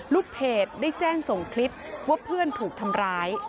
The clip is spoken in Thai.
ลูกเพจได้แจ้งส่งคลิปว่าเพื่อนถูกทำร้าย